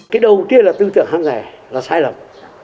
cái đầu tiên là tư tưởng hàng giả là sai lầm